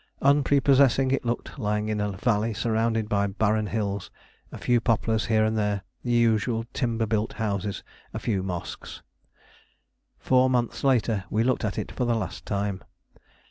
Unprepossessing it looked lying in a valley surrounded by barren hills, a few poplars here and there, the usual timber built houses, a few mosques. Four months later we looked at it for the last time.